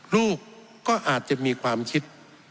ลูกก็อาจจะมีความคิด